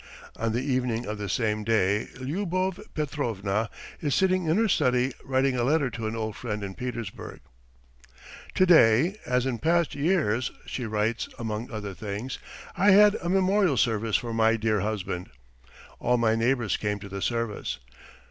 ... On the evening of the same day, Lyubov Petrovna is sitting in her study, writing a letter to an old friend in Petersburg: "To day, as in past years," she writes among other things, "I had a memorial service for my dear husband. All my neighbours came to the service.